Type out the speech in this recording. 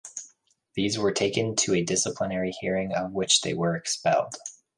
These were taken to a disciplinary hearing of which they were expelled.